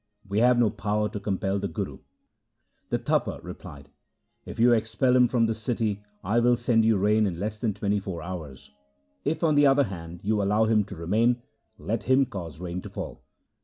We have no power to compel the Guru.' The Tapa replied, ' If you expel him from the city I will send you rain in less than twenty four hours. If, on the other hand, you allow him to remain, let him cause rain to fall.'